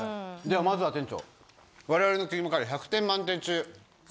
ではまずは店長我々のキーマカレー１００点満点中。